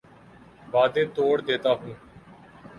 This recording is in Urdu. وعدے توڑ دیتا ہوں